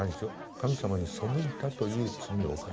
神様に背いたという罪を犯した。